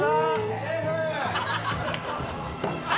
シェフ。